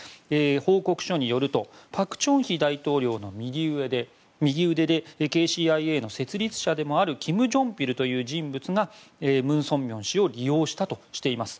報告書によると朴正煕大統領の右腕でＫＣＩＡの設立者でもあるキム・ジョンピル氏という人物が文鮮明氏を利用したとしています。